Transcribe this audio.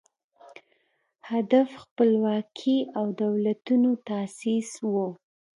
هدف خپلواکي او دولتونو تاسیس و